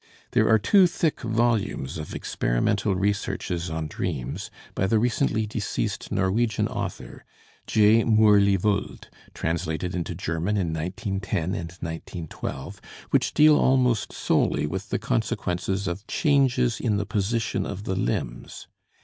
There are two thick volumes of experimental researches on dreams by the recently deceased Norwegian author, J. Mourly Vold, (translated into German in 1910 and 1912), which deal almost solely with the consequences of changes in the position of the limbs.